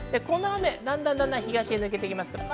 だんだん東へ抜けていきます。